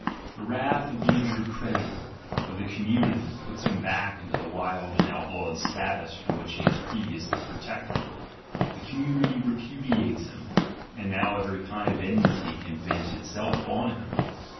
The wrath of the injured creditor, of the community, puts him back in the wild and outlawed status from which he was previously protected: the community repudiates him — and now every kind of enmity can vent itself on him.